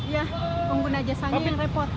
ya pengguna jasanya yang repot